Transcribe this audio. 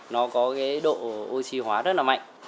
nó có cái độ oxy hóa rất là mạnh